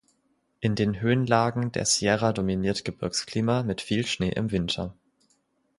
In den Höhenlagen der Sierra dominiert Gebirgsklima mit viel Schnee im Winter.